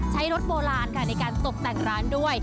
ใช้รถโบราณค่ะในการตกแต่งร้านด้วย